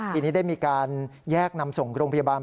ทีนี้ได้มีการแยกนำส่งโรงพยาบาล